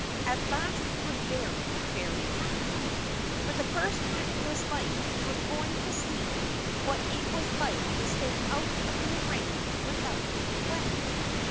At last he was very, very happy. For the first time in his life he was going to see what it was like to stay out in the rain without getting wet.